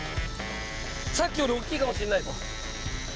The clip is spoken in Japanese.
さっきより大きいかもしんないです！